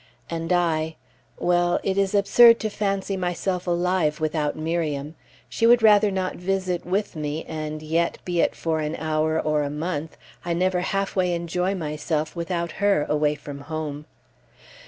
And I well, it is absurd to fancy myself alive without Miriam. She would rather not visit with me, and yet, be it for an hour or a month, I never halfway enjoy myself without her, away from home.